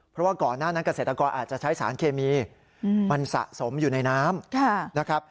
เพราะว่าก่อนหน้านั้นเกษตรกรอาจจะใช้สารเคมีมันสะสมอยู่ในน้ำนะครับ